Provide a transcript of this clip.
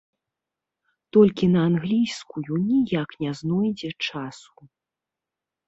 Толькі на англійскую ніяк не знойдзе часу.